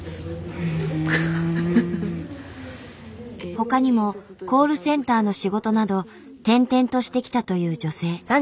ほかにもコールセンターの仕事など転々としてきたという女性。